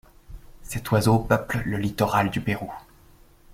Cet oiseau peuple le littoral du Pérou.